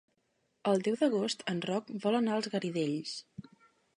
El deu d'agost en Roc vol anar als Garidells.